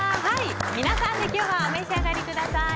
皆さんで今日はお召し上がりください。